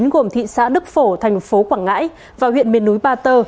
gồm thị xã đức phổ thành phố quảng ngãi và huyện miền núi ba tơ